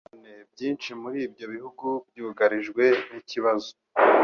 Kandi nanone byinshi muri ibyo bihugu byugarijwe n'ikibazo